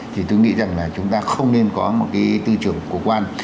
thì tôi nghĩ rằng là chúng ta không nên có một cái tư trưởng của quan